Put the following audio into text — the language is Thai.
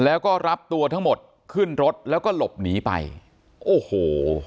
แล้วก็รับตัวทั้งหมดขึ้นรถแล้วก็หลบหนีไปโอ้โห